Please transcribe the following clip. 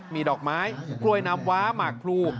มีดอกไม้กล้วยน้ำว้าหมากพลู